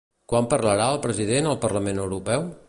Quan parlarà el president al Parlament Europeu?